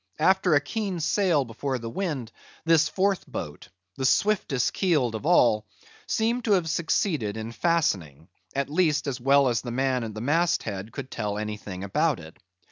After a keen sail before the wind, this fourth boat—the swiftest keeled of all—seemed to have succeeded in fastening—at least, as well as the man at the mast head could tell anything about it.